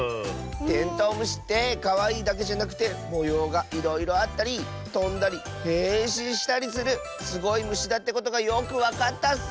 テントウムシってかわいいだけじゃなくてもようがいろいろあったりとんだりへんしんしたりするすごいむしだってことがよくわかったッス！